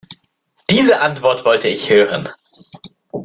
Diese Antwort wollte ich hören.